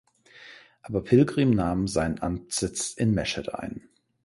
Aber Pilgrim nahm seinen Amtssitz in Meschede ein.